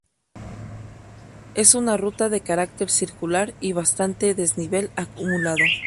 Es una ruta de carácter circular y bastante desnivel acumulado.